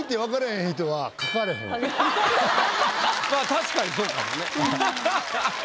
確かにそうかもね。